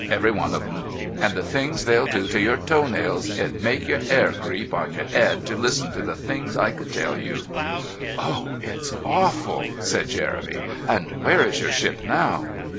"Every one of 'em. And the things they'll do to your toenails it 'ud make your 'air creep on your 'ead to listen to the things I could tell you " "Oh, it's awful!" said Jeremy. "And where is your ship now?"